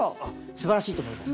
すばらしいと思います。